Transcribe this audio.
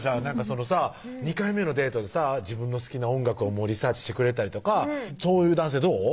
そのさ２回目のデートでさ自分の好きな音楽をリサーチしてくれたりとかそういう男性どう？